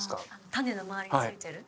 種の周りについてる？